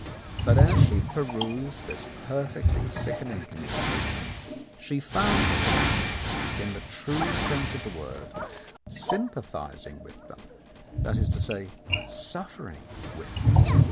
But as she perused this perfectly sickening communication, she found herself, ii The Countess of Lowndes Square in the true sense of the word, sympathizing with them — that is to say, suffering with them.